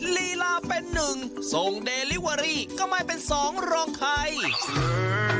ลีลาเป็นหนึ่งทรงเดลิเวอรี่ก็ไม่เป็นสองรองใคร